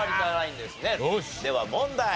では問題。